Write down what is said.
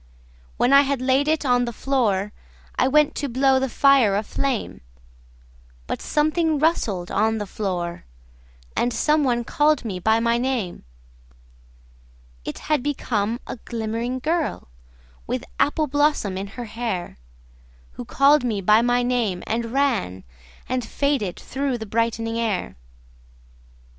When I had laid it on the floorI went to blow the fire a flame, But something rustled on the floor, And someone called me by my name:It had become a glimmering girlWith apple blossom in her hairWho called me by my name and ranAnd faded through the brightening air.